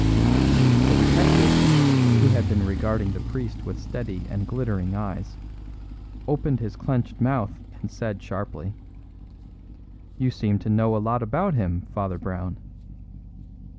The detective, who had been regarding the priest with steady and glittering eyes, opened his clenched mouth and said sharply: "You seem to know a lot about him, Father Brown."